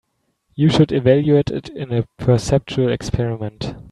You should evaluate it in a perceptual experiment.